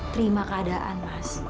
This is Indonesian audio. terima keadaan mas